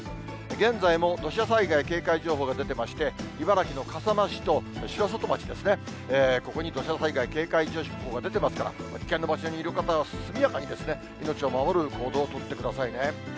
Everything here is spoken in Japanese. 現在も土砂災害警戒情報が出てまして、茨城の笠間市と、城里町ですね、ここに土砂災害警戒情報が出てますから、危険な場所にいる方は、速やかに命を守る行動を取ってくださいね。